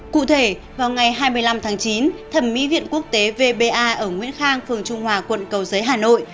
cụ thể vào ngày hai mươi năm tháng chín thẩm mỹ viện quốc tế vba ở nguyễn khang phường trung hòa quận cầu giấy hà nội